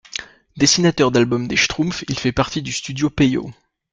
Dessinateur d'albums des Schtroumpfs, il fait partie du Studio Peyo.